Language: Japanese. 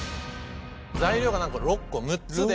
材料がなんと６個６つで。